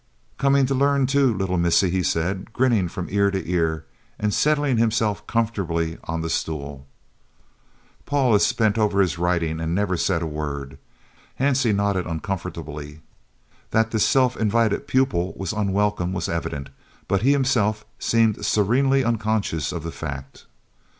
"Coming to learn too, little missie," he said, grinning from ear to ear and settling himself comfortably on the stool. Paulus bent over his writing and said never a word. Hansie nodded uncomfortably. That this self invited pupil was unwelcome was evident, but he himself seemed serenely unconscious of the fact.